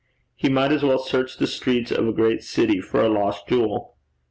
He might as well search the streets of a great city for a lost jewel.